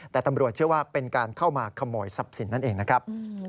แต่ตำรวจเชื่อว่าเป็นการเข้ามาขโมยทรัพย์สินนั่นเองนะครับ